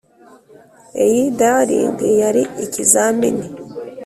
iyi dallying yari ikizamini